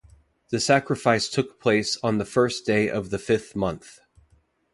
The sacrifice took place on the first day of the fifth month.